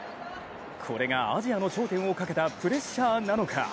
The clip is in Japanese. これがアジアの頂点をかけたプレッシャーなのか。